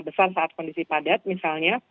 besar saat kondisi padat misalnya